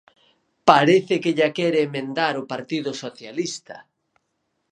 Parece que lla quere emendar o Partido Socialista.